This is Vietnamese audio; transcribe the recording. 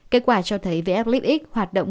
kết quả cho thấy v lib x hoạt động